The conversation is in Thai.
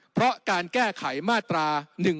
เพราะการแก้ไขมาตรา๑๔